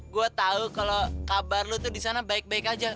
gue tau kalau kabar lu tuh di sana baik baik aja